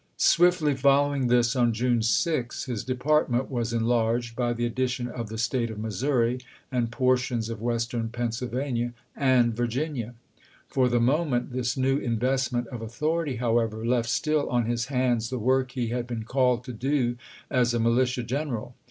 Swiftly following this, on June 6 his department was enlarged by the addition of the State of Missouri, and portions of western Penn sylvania and Virginia. For the moment this new investment of authority, however, left still on his hands the work he had been called to do as a militia general.